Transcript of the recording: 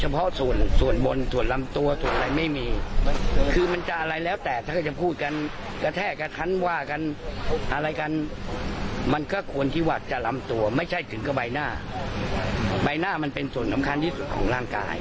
ผมไม่ใช่ถึงกับใบหน้าใบหน้ามันเป็นส่วนสำคัญที่สุดของร่างกาย